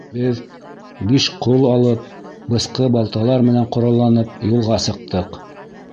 Беҙ, биш ҡол алып, бысҡы-балталар менән ҡоралланып, юлға сыҡтыҡ.